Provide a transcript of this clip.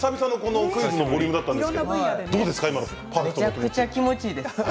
めちゃくちゃ気持ちいいです。